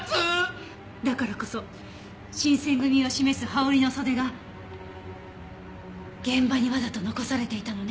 だからこそ新選組を示す羽織の袖が現場にわざと残されていたのね。